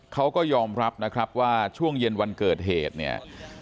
เขาก็ยอมรับนะครับว่าช่วงเย็นวันเกิดเหตุเนี่ย